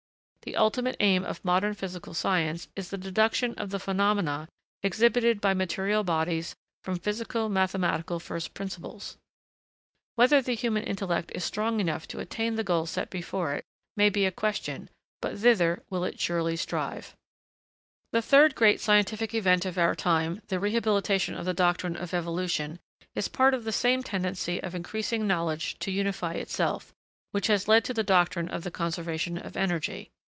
The ultimate aim of modern physical science is the deduction of the phenomena exhibited by material bodies from physico mathematical first principles. Whether the human intellect is strong enough to attain the goal set before it may be a question, but thither will it surely strive. [Sidenote: (3) Evolution.] The third great scientific event of our time, the rehabilitation of the doctrine of evolution, is part of the same tendency of increasing knowledge to unify itself, which has led to the doctrine of the conservation of energy.